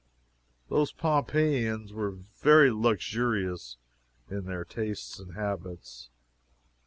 Those Pompeiians were very luxurious in their tastes and habits.